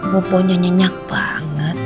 bubunya nyenyak banget